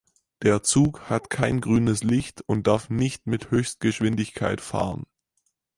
Der Zug hat kein grünes Licht und darf nicht mit Höchstgeschwindigkeit fahren.